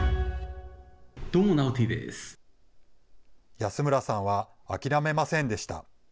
安村さんは諦めませんでした。